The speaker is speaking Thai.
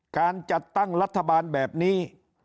การจัดตั้งรัฐบาลแบบนี้